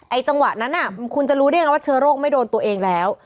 จังหวะนั้นคุณจะรู้ได้ยังไงว่าเชื้อโรคไม่โดนตัวเองแล้ว